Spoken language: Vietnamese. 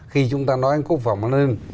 khi chúng ta nói quốc phòng an ninh